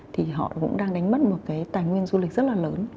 thì họ cũng đang đánh mất một cái tài nguyên du lịch rất là lớn